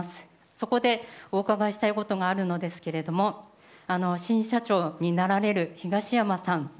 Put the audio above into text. そこでお伺いしたいことがあるのですが新社長になられる東山さん。